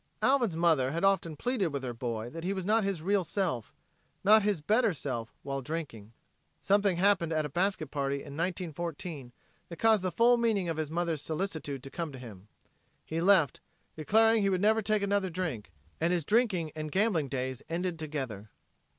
Alvin's mother had often pleaded with her boy that he was not his real self not his better self while drinking. Something happened at a basket party in 1914 that caused the full meaning of his mother's solicitude to come to him. He left, declaring he would never take another drink, and his drinking and gambling days ended together.